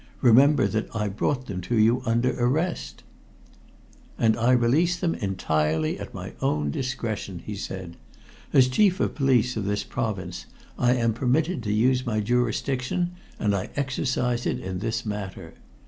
"Remember that I brought them to you under arrest." "And I release them entirely at my own discretion," he said. "As Chief of Police of this province, I am permitted to use my jurisdiction, and I exercise it in this matter.